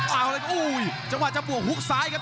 เอาเลยจังหวะจะบวกหุ้กซ้ายครับ